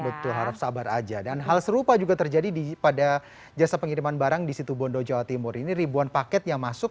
betul harap sabar aja dan hal serupa juga terjadi pada jasa pengiriman barang di situ bondo jawa timur ini ribuan paket yang masuk